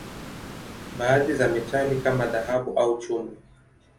Baadhi ni metali, kama dhahabu au chuma.